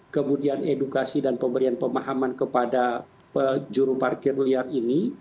kemudian edukasi dan pemberian pemahaman kepada juru parkir liar ini